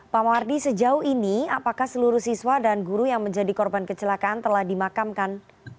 pak mohardi sejauh ini apakah seluruh siswa dan guru yang menjadi korban kecelakaan telah dimakamkan